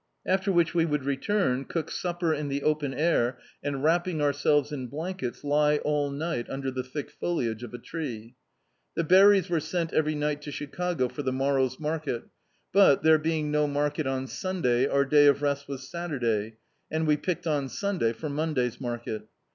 After which we would return, cook supper in the open air, and wrapping ourselves in blankets lie all night under the thick foliage of a tree. The berries were sent every ni^t to Chicago for the morrow's market; but, there be ing no market on Sunday our day of rest was Satur day, and we picked on Sunday for Mondajr's market.